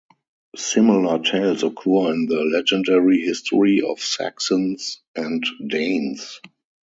Similar tales occur in the legendary history of Saxons and Danes.